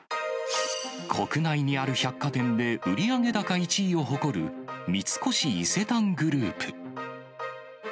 国内にある百貨店で、売上高１位を誇る三越伊勢丹グループ。